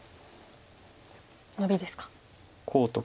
ノビですか。